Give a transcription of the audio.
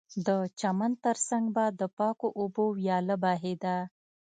د چمن ترڅنګ به د پاکو اوبو ویاله بهېده